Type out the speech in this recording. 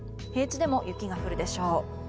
平地でも雪が降るでしょう。